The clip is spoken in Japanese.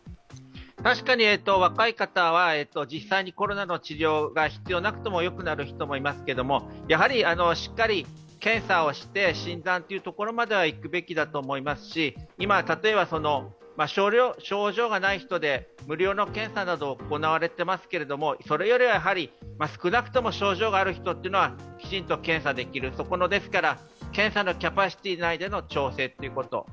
確かに若い方は実際にコロナの治療が必要なくてもよくなる人もいますけれども、しっかり検査をして診断というところまで行くべきだと思いますし、今、例えば、症状がない人で無料の検査など行われていますがそれよりは少なくとも症状がある人というのはきちんと検査できるそこの検査のキャパシティー内での調整ということ。